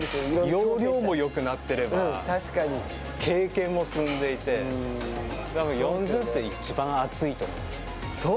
要領もよくなっていれば、経験も積んでいて、たぶん４０っていちばん熱いと思う。